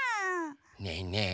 ねえねえ。